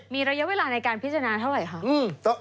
มีระยะเวลาในการพิจารณาเท่าไหร่คะ